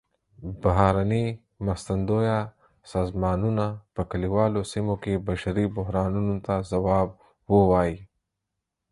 بهرنۍ مرستندویه سازمانونه په کلیوالو سیمو کې بشري بحرانونو ته ځواب ووايي.